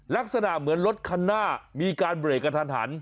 ลักษณะเหมือนรถคันหน้ามีการเบรกกระทันหัน